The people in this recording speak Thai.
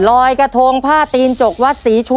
รอยกระทงผ้าตีนจกวัดศรีชู